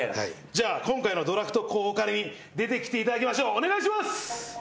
じゃあ今回のドラフト候補カレーに出てきていただきましょうお願いします。